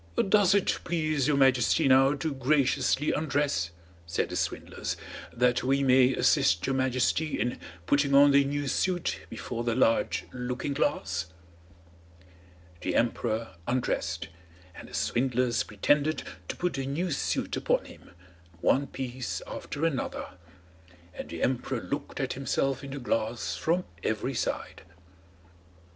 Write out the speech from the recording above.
"Does it please your Majesty now to graciously undress," said the swindlers, "that we may assist your Majesty in putting on the new suit before the large looking glass?" The emperor undressed, and the swindlers pretended to put the new suit upon him, one piece after another; and the emperor looked at himself in the glass from every side.